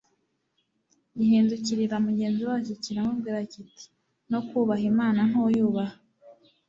Gihindukirira mugenzi wacyo kiramubwira kiti: "No kubaha Imana ntuyubaha?